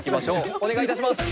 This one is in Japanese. お願い致します。